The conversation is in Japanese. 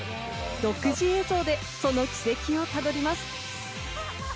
独自映像でその軌跡をたどります。